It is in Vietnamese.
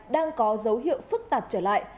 đang có dấu hiệu phức tạp trở lại